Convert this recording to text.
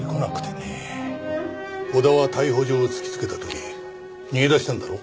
小田は逮捕状を突きつけた時逃げ出したんだろう？